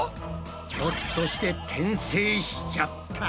ひょっとして転生しちゃった？